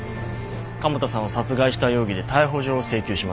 加茂田さんを殺害した容疑で逮捕状を請求します。